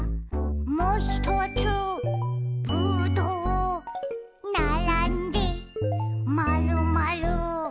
「もひとつぶどう」「ならんでまるまる」